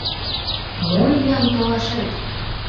Мо иям толашет?!